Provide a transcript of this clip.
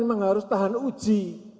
memang harus tahan uji